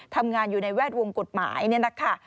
ทำงานอยู่ในแวดวงกฎหมายนี่แหละค่ะ